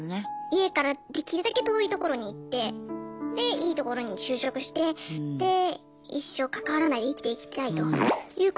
家からできるだけ遠い所に行ってでいいところに就職してで一生関わらないで生きていきたいということですね。